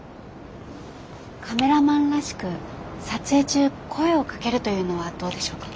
カメラマンらしく撮影中声をかけるというのはどうでしょうか？